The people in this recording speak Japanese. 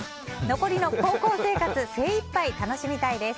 残りの高校生活精いっぱい楽しみたいです。